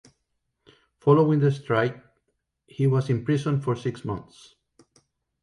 Following the strike he was imprisoned for six months.